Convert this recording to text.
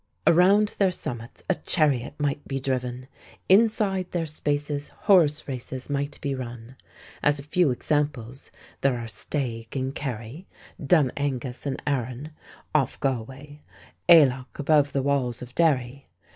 Around their summits a chariot might be driven, inside their spaces horse races might be run. As a few examples, there are Staigue, in Kerry; Dun Angus, in Aran, off Galway; Aileach, above the walls of Derry.